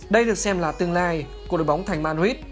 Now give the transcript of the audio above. đây được xem là tương lai của đội bóng thành mawed